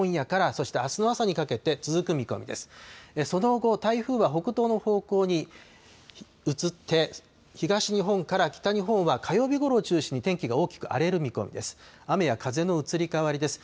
その後、台風は北東の方向に移って、東日本から北日本は火曜日ごろを中心に天気が大きく荒れる見込みです。